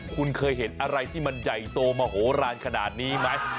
คุณเคยเห็นอะไรที่มันใหญ่โตมโหลานขนาดนี้ไหม